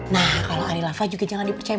nah kalo ali rafa juga jangan dipercaya